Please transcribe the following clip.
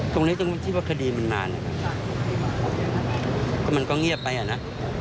ตรงนี้ต้องคิดว่าคดีมันนานนะครับก็มันก็เงียบไปอ่ะนะ